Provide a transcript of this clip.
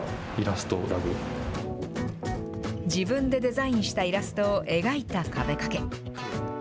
自分でデザインしたイラストを描いた壁掛け。